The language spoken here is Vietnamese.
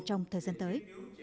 trong thời gian tới